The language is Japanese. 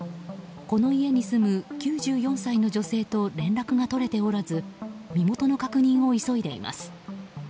この家に住む９４歳の女性と連絡が取れておらず身元の確認を急いでいます。